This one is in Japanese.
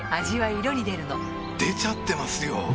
味は色に出るの出ちゃってますよ！